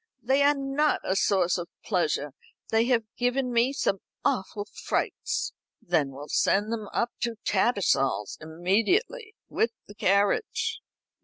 "They are not a source of pleasure. They have given me some awful frights." "Then we'll send them up to Tattersall's immediately, with the carriage."